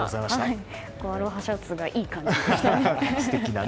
アロハシャツがいい感じでしたね。